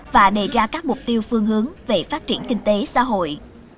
và đề ra các mục tiêu phương hướng về phát triển kinh tế xã hội